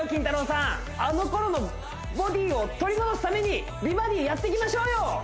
さんあのころのボディを取り戻すために美バディやっていきましょうよ！